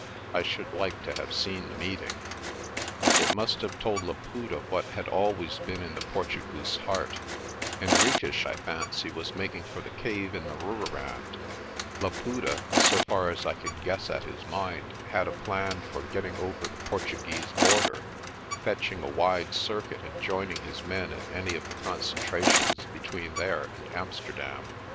I should like to have seen the meeting. ARCOLL'S SHEPHERDING 227 It must have told Laputa what had always been in the Portu goose's heart. Henriques, I fancy, was making for the cave in the Rooirand. Laputa, so far as I can guess at his mind, had a plan for getting over the Portuguese border, fetching a wide circuit and joining his men at any of the concentra tions between there and Amsterdam.